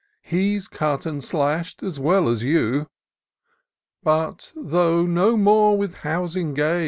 He's cut and slash'd as well as you. But, though no more with housing gay